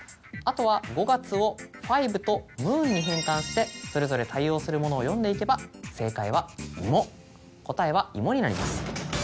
あとは五月をｆｉｖｅとｍｏｏｎに変換してそれぞれ対応するものを読んでいけば正解は「いも」答えは芋になります。